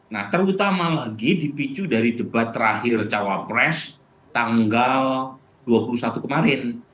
nah terutama lagi dipicu dari debat terakhir cawa press tanggal dua puluh satu kemarin